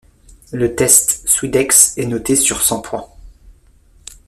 Le test Swedex est noté sur cent points.